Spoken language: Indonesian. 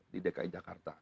di dki jakarta